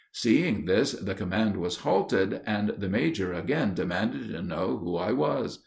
Seeing this, the command was halted, and the major again demanded to know who I was.